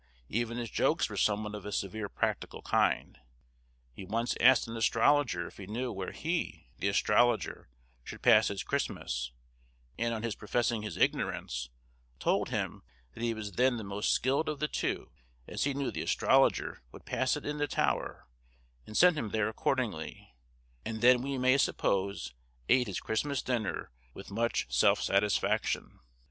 Even his jokes were somewhat of a severe practical kind; he once asked an astrologer if he knew where he, the astrologer, should pass his Christmas, and on his professing his ignorance, told him that he was then the most skilled of the two, as he knew the astrologer would pass it in the Tower, and sent him there accordingly, and then we may suppose ate his Christmas dinner with much self satisfaction.